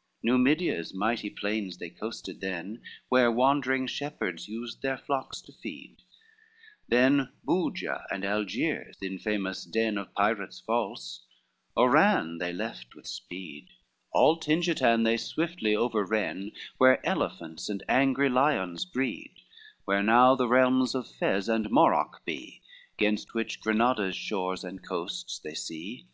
XXI Numidia's mighty plains they coasted then, Where wandering shepherds used their flocks to feed, Then Bugia and Argier, the infamous den Of pirates false, Oran they left with speed, All Tingitan they swiftly overren, Where elephants and angry lions breed, Where now the realms of Fez and Maroc be, Gainst which Granada's shores and coasts they see.